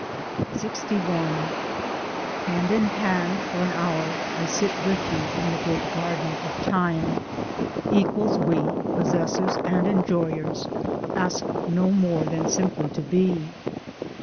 LXI Hand in hand for an hour I sit with you in the Great Garden of Time Equals We, possessors and enjoy ers, ask no more than simply to be.